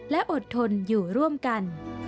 และอดทนอยู่ร่วมกัน